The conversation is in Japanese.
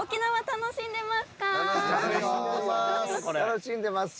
楽しんでます。